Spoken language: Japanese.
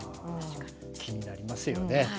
気になりますよね。